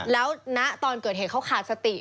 แล้วณตอนเกิดเหตุเขาขาดสติ